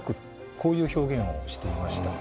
こういう表現をしていました。